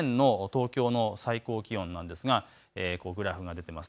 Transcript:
去年の東京の最高気温ですがグラフが出ています。